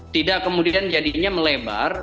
tidak kemudian jadinya melebar